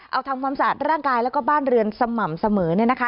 เอาทำความสะอาดร่างกายแล้วก็บ้านเรือนสม่ำเสมอเนี่ยนะคะ